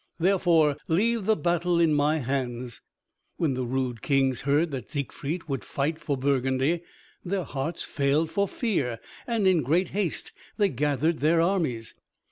Therefore, leave the battle in my hands." When the rude kings heard that Siegfried would fight for Burgundy their hearts failed for fear and in great haste they gathered their armies.